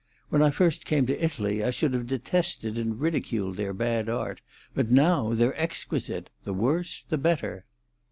When I first came to Italy I should have detested and ridiculed their bad art; but now they're exquisite—the worse, the better."